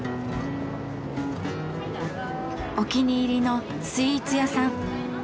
お気に入りのスイーツ屋さん。